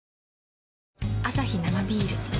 アサヒ生ビール